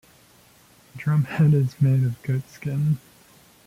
The drumhead is made of goat skin.